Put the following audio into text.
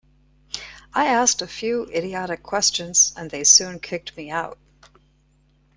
I asked a few idiotic questions, and they soon kicked me out.